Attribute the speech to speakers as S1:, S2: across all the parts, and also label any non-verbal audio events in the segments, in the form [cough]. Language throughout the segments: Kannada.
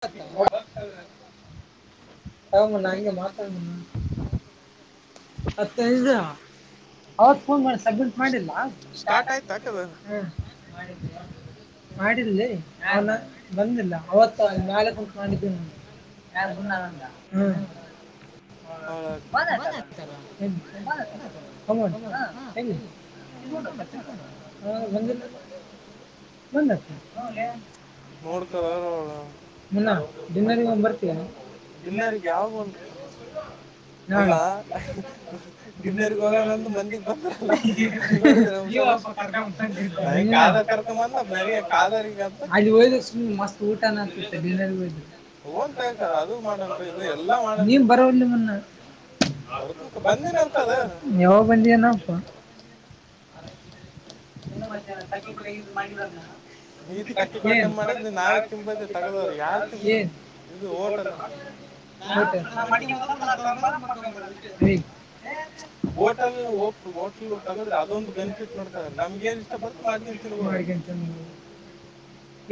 S1: ಹತ್ತ
S2: ಹಮ್ಮ್ಣ ಹಂಗೆ ಮಾತಾಡಣ ಹತ್ತದ ಅವತ್ ಫೋನ್ ಮಾಡಿ ಸಬ್ಮಿಟ್ ಮಾಡಿಲ್ಲ. ಮಾಡಿಲ್ಲ ಅವ ಬಂದಿಲ್ಲ ಅವತ್ತು. ನಾಲ ಕುಡ್ ಮಾಡಿ ಯಾರ -ಹ್ಮ್ ಹ -ಕದಯತ
S1: ಹು-
S2: -ತ
S1: ಹಾ- ಹೇಳ ನೋಡ ಚೆಕ್ ಮಾಡುವ ನೋಡ್ತದರಳ. ಡಿನ್ನರ್ ಯಾವಾಗ ಬಂ ಅಲ್ಲ ಡಿನ್ನರ್ಗ್ ಹೋಗಲ್ಲಂದು ಮಂದಿಗ್ ಬಂದಲ್ಲೋ ಕಾದರ್ ಕರಕ ಮಾಂತ ನನಗೆ ಕಾದರಿಊ ಹಂತ -ಹ -ಅದು ಮಾಡನ್ರಿ ಇದು ಎಲ್ಲಾ ಮಾಡನ್ ಹೌದು ಬಂದ ನಮಕದ ಮ- ತಕೋಟೆ ಮಾಡುದು ನಾವೇ ತಿಂಬದ ತಗದವ್ರ ಯಾರ್ -ತ- ಇದು ಹೋಟಲ್ ನ- ಮಾ- ತ -ಹೋಟಲ್ ಹೋಟಲ್ ತಗದ್ರ ಅದೊಂದು ಬೆಿಟ್ ನೋಡ್ತ ನಮ್ಗ ಏನ್ ಇಷ್ಟ ಬರುತು ಮಾಡ್ಕ ತಿನ್ಬೋ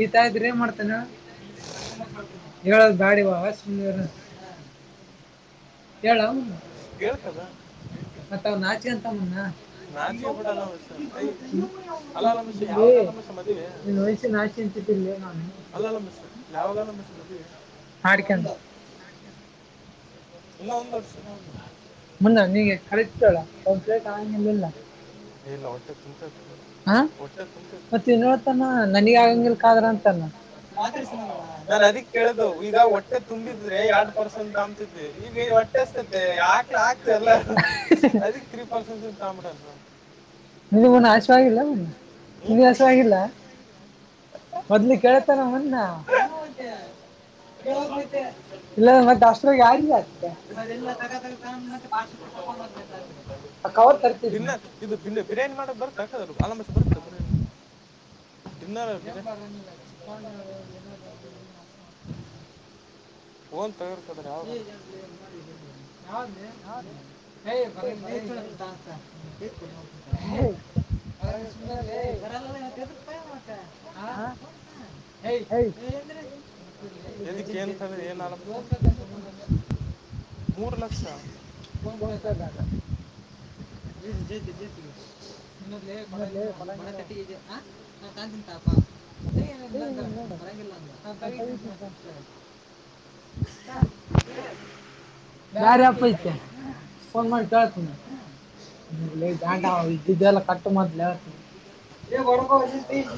S1: ಈತ ಇದ್ರ ನ್ ಮಾಡ್ತೇನೆ
S2: ಎಳ ಬಾರಿ ಬನ್ನರು
S1: ಹೇಳ ಹೇಳ್ತದ ಮತ್ತ ಅವ ನಾಚ ಅಂತ -ಮು- ನಾಚ- ಪ- ಎಲ್ಲ ಅಲ್ಲ ನಮ ಯಾವಾಗ ನಮಸ ಮದ್ ಅಲ್ಲ ನಮಿಸ ಯಾವಾಗಲ್ಲ ಮಸ ಮದ ಇನ್ನ ಒಂದು ಇನ್ನ -ಕ -ಕ -ಲ ಮತ್ತ ನನಗ -ಆ ನಾನ್ ಅದಿ ಕೇಳ್ದು ಈಗ ಹೊಟ್ಟೆ ತುಂಬಿದ್ರೆ ಎರಡ್ ಪರ್ಸೆಂಟ್ ಅಮ್ತ ಈಗ ಹೊಟ್ಟೆ ಮತ್ತೆ ಆಾಕ್ಲ ಆಗ್ತ ಎಲ್ಲ ಅದಿ ತ್ರೀ ಪರ್ಸೆಂಟ್ ತಗಂಬಬಿಟಂತ
S2: ನಿಲ್ಲಿ ಮನ್ನ ಆಶ್ವವಾಗಿಲ್ಲ ಮ ನಿಲ್ಲಿ ಆಶ್ ಆವಾಗಿಲ್ಲ ಮೊದ್ಲಿ ಕೇಳ್ತಾನ ಮನ್ ನ
S1: ೋಗ ಮ ಇಾಗ ಅಷ್ಟ ಆಾರಿಲ್ಲಲ್ಲ ತಗತಗ ಮತ್ತೆ ಪ ನ್ನ ಇದುನ್ನ ಬಿರಿಯಾನಿ ಮಾಡಕ್ಕೆ ಬರುತ್ತೆ ಆಾಕದಲ್ಲ ಆಲಮಸ ಬರುತ್ತೆನ್ನ
S2: ಬರ
S1: ೋನ್ ತಗರ್ತದ್ರ ಯಾವ ಹ ಬ ಬ ಅವ ಸುಂದರ್ಲ್ಲವರ ಎಲ್ಲ ನ ತದು ಬಾಯ ಮಾ ಹ ಎಕ್ಕೆ ಏನ್ ಏನ ಮೂರು ಲಕ್ಷತ ಜಾಗ ಜ ಜೇತ ಜೇತ ಇನ್ನೊದ್ ಕೊಡ ಬಡ ತಟ್ಟಿ ಇ ತ ತಿಂತಾಪಾ ಸಂತ ಮರಂಗಿಲ್ಲಾ ನಾ ತವಿ ಹಾ ಹ್ಮ ಬೇಾರ ಯಪ್ಪ ಇತೆ ಹ್ಮ್ ಸ ಕಳತ್ ಹ್ಮ
S2: ನಿ ಜಟ್ದದೆ ಎಲ್ಲ ಕಟ್ಟು ಮಾಡತ್ಸ
S1: ನೀ ಬಡಕ ಸ ಜಸ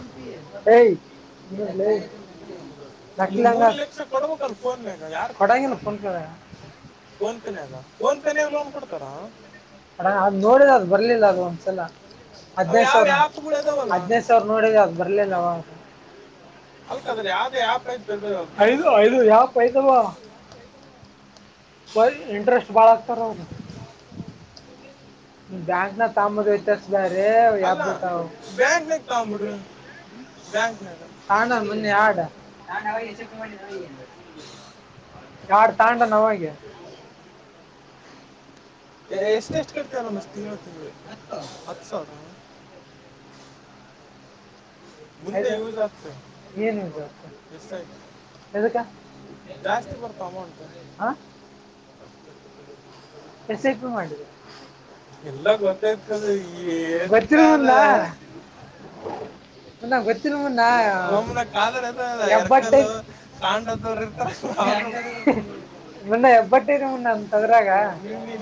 S1: ನೀ ಮೂರು ಲಕ್ಷ ಕೊಡ್ಬೇಕಂತ ಫೋನ್ ಮ್ಯಾಗ ಯಾರು ಕೊ ಫೋನ್ ಪೇನಾಗ ಫೋನ್ ಪೇನಾಗ ಲೋನ್ ಕೊಡ್ತಾರಾ ಬಿಲ್ಲ ಯಾವ ಆಪ್ಗಳು ಇದದಾವಲ್ಲ ಯ ಬಲ್ಲ
S2: ೌ ಯ ಲ್ವಾ ಬ ಇಂಟ್ರೆಸ್ಟ್ ಬಾಳ ಆಗ್ತಾರ ಅವದು
S1: ಂ ಅಲ್ಲ ಬ್ಯಾಂಕ್ನಗ್ ತ್ಬಿಟ್ರಿ ಬ್ಯಾಂಕ್ನಗರ
S2: ಹಡ ಮೊನ್ನೆ ಆಡ
S1: ಚಾಡ್ ತಾಂಡ ನವಜ ಎಷ್ಟ ಎಷ್ಟು ಕಟ್ತ ಅಲ್ಲ ಮಸ್ ತಿನ್ವತ್ತ ಹತ್ ಸಾವಿರ
S2: ಏನ್ಜ ಎದುಕ್ಕ ಹ ಎಸ್ಐಪಿ ಮಾಡಿದ ಎರ್ತ ಬರ್ತಿರದಲ್ಲ ನ ಗತ್ತಿನ ಮುಣ ಎಬ ಹ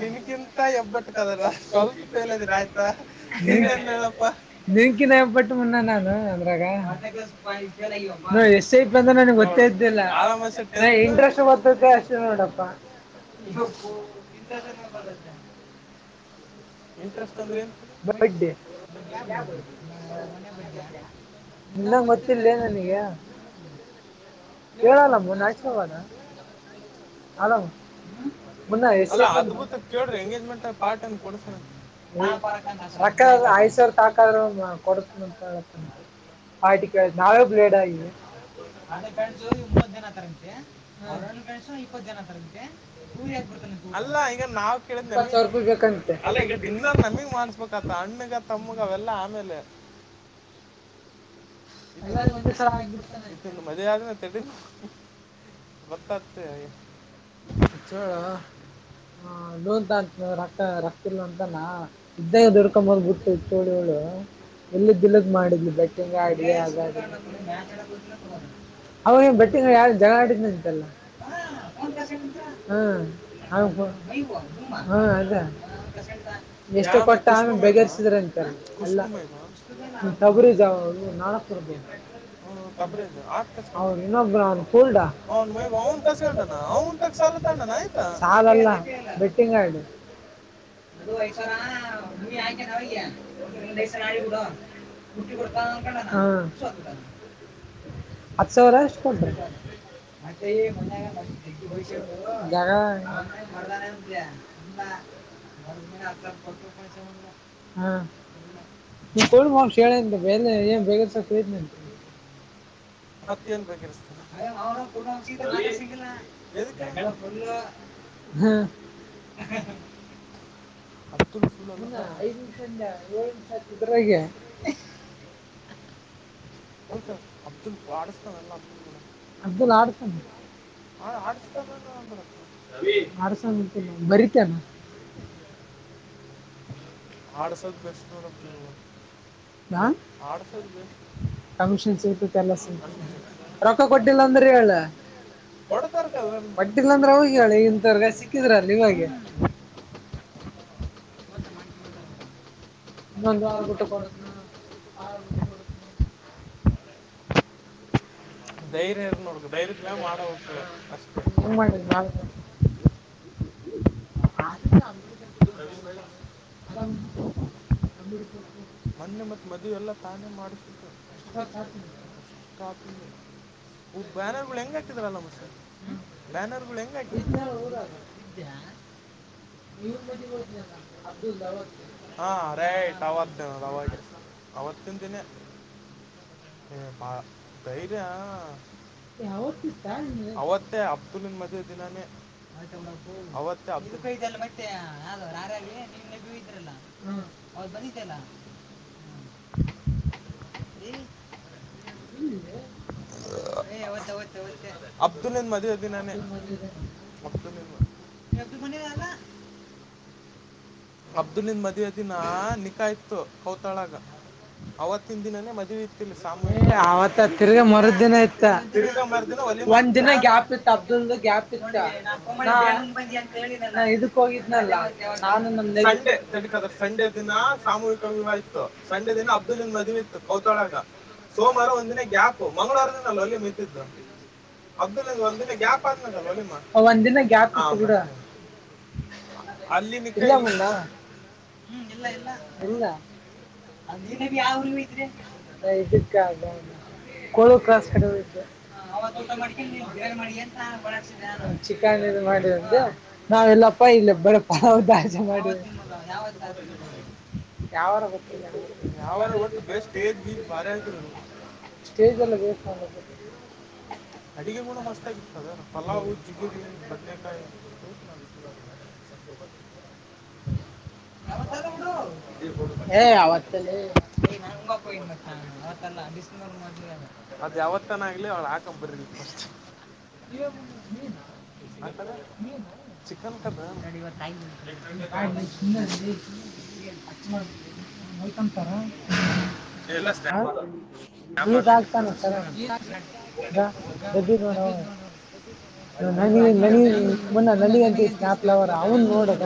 S1: ಿನಕಿಂತ ಎಬ್ಬಟ್ಟ ಕದರ ಟ್ಲ್ತ್ ಫೇಲ್ ಆಯ್ತಾ ಇನ್ನೇನ್ ಹೇಳಪ್ಪ ಕ್ ಆರಾಮೆ ಅಷ್ಟುಪ ಅಷ್ಟು ನೋಡಪ್ಪ
S2: ಇ ಇ
S1: ಇಂಟ್ರೆಸ್ಟ್ ಅಂದ್ರೆ ಅ ಮ ಬಗ್ಗೆ ನಿನ್ನಂಗ ಗೊತ್ತಿದಲೇ ನನಗೆ ಹೇಳೋ ನಮ್ಮ ನಚಿನ
S2: ಅಲ ಮುನ್ನ ಎ ರಕ್ಕ ಐಸ್ರ ತಾಕಾದ್ರರು ಕೊಡತ್ಂತ
S1: ಆ್ ನಾವೇ ಬ್ಲೇಡ್ ಅಂದೆ ಫ್ರೆಂಡ್ಸು ಮೂವತ್ ದಿನ ತರಂಗಂತೆ ಅದೊಂದು ಕಸ ಇಪ್ಪತ್ತ್ತು ಜನ ತರದಕ್ಕೆ ಊರಿ ಹಕ್ಬಿಡ್ತ ಅಲ್ಲಾ ಈಗ ನಾವ್ ಕೇಳ ಅಲ್ಲ ಈಗ ಡಿನ್ನರ್ ನಮಗ್ ಮಾಡಸ್ಬೇಕತ್ತ ಅಣ್ಣಗ ತಮ್ಮಗಾವೆಲ್ಲಾ ಆಮೇಲೆ ಮದ್ವೇ ಆಗ ಬತ್ತಾತ್ತು
S2: ಳ ಹ ನೂಂತ ಅಂತ ರೊ ರೊಕ್ಕ ಇಲ್ ಅಂತಾನ ಇದ್ದ ದುಡ್ಕೊಂಬದ್ ಬಿಟ್ಟು ಚೋಳಿ ಹೋಳಿ ಎಲ್ಲಿಲ್ಲಗ್ ಮಾಡಿದ್ವಿ ಬಟ್ಟಿಂಗ್ ಆಡಿ ಆಡಿ
S1: ಅವನ್ ಬಟ್ಟಿನ ಯಾವ ಜವಾಡ ಒನ್ ಕಸಂಡತ್ರ ಮೈವುಮ್ಮ ಕಸಂಡದ ಯಾಮ ಕುಷಮಮೇಗ ಕುಷಮಮೇಗ ್ಮ ಕಬ್ರ ಆಸ್ ಹೌನು ಮ ಅವನ್ ಕಸ ಕಟ ನಾವುಂತಕ್ ಸಾಲ ತೊಂಡೋಣ ಆಯ್ತಾ
S2: ಅದು ೈಸರಾ ಉಮ್ಮ ಆಯ್ಕನ ಅವಯ್ಯಐಸರ ಆಡಿಬಡ ಕುಟ್ಟಿ ಕೊಡ ಕ ಹ ಸ್ವ
S1: ಅರ ಮೆ ಮ ಮ ದಗ ಪಯಸ ಉಂಟು ಮಾಡದಾನೇ ಅಪಯ ಎಂತ ನಡಿದ್ಮೇಲೆ ಹತ್ ಸರ್ ಕೊಟ್ಟ ಕಾಯಸಂದ ಹ ಇಲ್ಲ ೋ ಹೇಳ ಹೊತ್ತೆೇನ್ ಬೇಕತಾರಯ ಅವರು ಪೂರ್ೀ ಮಾತ್ರ ಸಿಂಗಿಲ್ಲ ಎದು ಕಂಗ ಪುಣ ಹತ್ತನ್ ಸುಲ್ಲ
S2: ಹಾಗಗೆ
S1: ಅಲ್ಕ ಅಬ್ದುಲ್ ವಡಿಸಸ್ತ ಎಲ್ಲ ಅಬ್ದುಲ್ ಗಡ
S2: ಅಬ್್ದುಲ್ಲ ಆಡ್ತ
S1: ಹ ಆಸತಾನ ಮರಿತ [unintelligible] [unintelligible] ಆಡಸದ ಬೆಷ್ಟ [unintelligible]
S2: ಹ
S1: ರೊಕ್ಕ ಕೊಟ್ಟ ಅಂದರಲ್ಲ [unintelligible] ಕೊಡ್ತಾರ ಕದ ಗೊತ್ತಿಲ್ಲಂದ್ರ ಹೋಗಿರ ಸಿಕ್ಕಿದ್ರ [unintelligible] [unintelligible]
S2: ಇನ್ನೊಂದು ಆರಗಟ್ಟ ಕೊಡತನ ಆರೆಗಟ್ಟ ಕೊಡತ
S1: [unintelligible] ಧೈರ್ಯ ಇರ್ ನೋಡ್ಕ ಧೈರ್ಯ ಅದಮ ಪ್ರವ ಬ [unintelligible] ಮನ್ನೆ ಮತ್ ಮದಿವೆ ಎಲ್ಲಾ ತಾನೇ ಮಾಡಿಸಿದ್ದು ಬ್ಯಾನರ್ಗಳು ಹೆಂಗ ಹಾಕಿದರಲ್ಲಮ್ಮ ಬ್ಯಾನರ್ಗಳು ಹೆಂಗ ಹಕ ಹಾ ಅ ರೇಟ್ವ ಅವಾಗೆ ಅವತ್ತಿನ್ ದಿನೆ ಬಾಲ ಧೈರ್ಯ ಅವತ್ತೆ ಅಬ್ದುಲ್ನ ಮದ್ವೆ ದಿನ ನೇ ಅವತ್ತ ಅಬ್ದುಲ್ ಲ್ಲ ಮತ್ತೆ ಯ ಹಾಗಾಗಿ ನೀವ್ ನ ಇದ್ರಲ್ಲ ಬಂದ [unintelligible] ಲ್ಲ ಅಪ್ತುಲ್ಂದ ಮದ್ವೆ ದಿನಾನೇ ಸತಮ ಎ್ದ ಮನಿಲ್ಲ [unintelligible] ಅಬ್ದುಲಂದು ಮದುವೆ ದಿನ ನಿಕಾ ಇತ್ತು ಕೌತಾಳಾಗ ಅವತ್ತಿನ ದಿನಾನೇ ಮದ್ವೆ ಇತ್ತಾ ಇಲ್ಲಿ ಸ [unintelligible] ತಿರುಗಾ ಮಾರ್ದಿನ
S2: ಒಂದ್ ದಿನ ಗ್ಯಾಪ್ ಇತ್ತ ಅಬ್ದುಲ್ದ ಗ್ಯಾಪ್ ಇತ್ತ ನಾ ಇದುಕ್ಕೋಗಿ ಇದನಲ್ಲ ನಾನು ಸಂಡೆ ದಿನ ಸಾಮೂಹಿಕ ವಿವಾಹ ಇತ್ತು ಸಂಡೆ ದಿನ ಅಬ್ದುಲ್ ಮದುವೆ ಇತ್ತು ಕೌತಾಳಗ ಸೋಮವಾರ ಒಂದ ದಿನ ಗ್ಯಾಪ್ ಮಂಗಳವಾರ ದಿನಲ್ಲ ಅಲ್ಲಿ ನಿಂತಿತ್ತು ಒಂದಿನ ಗ್ಯಾಪ್ ಇತ್ತು ಬಿಡ
S1: ಅಲ್ಲಿನಕ್ಕ ಇಲ್ಲಿ ಹ್ಮ್ ಇಲ್ಲ ಇಲ್ಲ
S2: ಇಲ್ಲ
S1: ಅಂದನ ಬಿ ಯಾವ ಊರಿಗೂ ಹಯತ್ರಿ [unintelligible] ಅವತ್ ಊಟ ಮಾಡ್ಕೊಂಡ ನೀ ಬಿರಿಯಾನಿ ಮಾಡಿಯಂತ ನಾ ಒಡಡಿಸಿದ್ದ್ ನಾನು
S2: ಮಾಡಿ ನಾವೆಲ್ಲಪ್ಪ ಇಲ್ಲ ಬಡ ಪಲಾವ ಮಾಡ ನಾವಂತ ಯಾವಾರ ಗೊತ್ತ ಸ್ಟೇಜ್ ಎಲ್ಲ ವೇಸ್ಟ್
S1: [unintelligible] ಅಡುಗೆ ಕೂಡ ಮಸ್ತಾಗಿರ್ತದ ಪಲಾವ್ ಜಿಗಿರಿ ಬದ್ನೇಕಾಯಿ ಸಬ್ತ ಬ [unintelligible] ಯಾವತ್ತದ ಬಿಡು
S2: ಹ ಅವತ್ತಾ ಲೇ
S1: ಅದ್ ಯಾವತ್ತನ ಆಗ್ಲಿ ಅವಳು ಹಾಕಮ್ ಬರಿಲಿ ಪಸ್ಟ ಮೀನು ಮೀನು ಚಿಕನ್ [unintelligible] [unintelligible] ವಲ್ಕಮ್ ಸ ಎಲ್ಲಂ [unintelligible] ಈ [unintelligible]
S2: ನನಿಗ ನನಿಗ್ ಮುನ್ನ ನನಗ ಅಂತೀ ಸ್ನಾಪ್ ಲವರ್ ಅವನ್ ನೋಡುಗ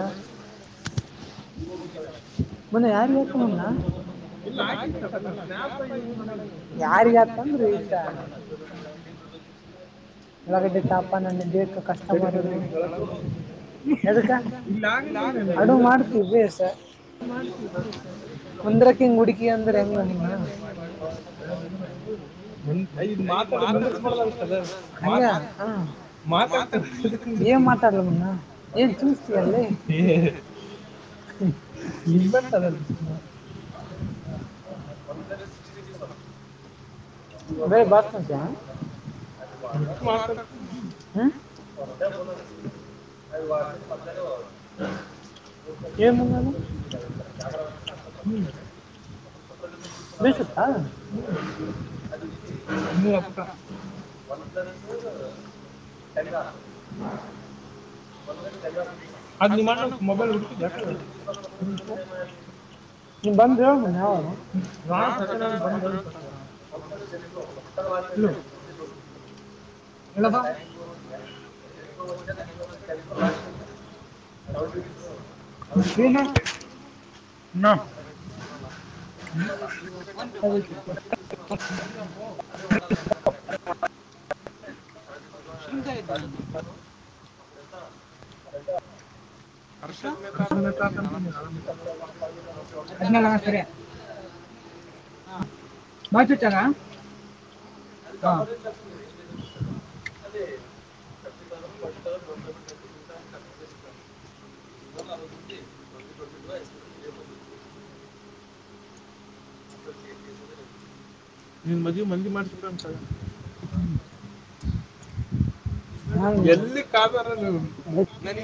S1: ಇಲ್ಲ ಹಾಕಿದ ಅಲ್ಲ ಸ್ಪಾಫ್ ಯೂಸ್ ಮಾಡ ಯಾರಿಗಾಕ್ಲಿ ಯಾರ್ ಇಲ್ಲ ಸ್ಳ [unintelligible]
S2: ಅದ ಅಡು ಮಾಡ್ತೀವಿ ಬೇಸ
S1: ಇಂದ್ರಕ್ಕೆ ಮುುಡಿಕಿಯನ್ನು ಹೇ ಮಾಡಬ ಯದು್ ಮಾತ ಬ ಮಾತಾಡ್ತಾಡ್
S2: ಇಬಟದ ರೇ ಬಸ್ ಮತ್ಯ ಕ ಅದ ವತ ಮಲ್ಲ ಕಮ್ಮಿ ಬೇಸುತ್ತಾ ಒ ಅದ ನಿಮ್ಮ ಮೊಬೈಲ್ ಹಟ್ಟ ನೀ ಬಂದ ಯಾವ ಹಳ ಎ [unintelligible] [inaudible] ಹೌದತ್ತು
S1: [unintelligible] ಅಡ ಹಸಯ್ತು ನ
S2: ಅದ
S1: ಅರ್ ತತ ಅಂತೀಗ ಸರಿ ಹಾ ಮಾಜು ಚಲ್ಲ ಅ ಕಾ
S2: ಅದೇ ಕಾಲ ಹ ನಿನ್ ಮದಿ ಮಂದಿ ಮಾಡ್ತಿದ್ದ ಒಂದ್ಸರಿ [inaudible] [unintelligible]
S1: ಎಲ್ಲಿ ಕಾದರದು ನನ [unintelligible]